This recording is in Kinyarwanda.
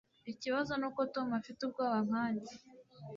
Ikibazo nuko Tom afite ubwoba nkanjye.